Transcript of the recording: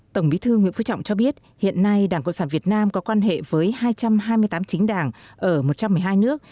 tổng bí thư nguyễn phú trọng cho biết hiện nay đảng cộng sản việt nam có quan hệ với hai trăm hai mươi tám chính đảng ở một trăm một mươi hai nước